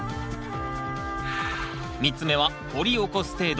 ３つ目は掘り起こす程度。